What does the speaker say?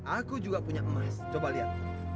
aku juga punya emas coba lihat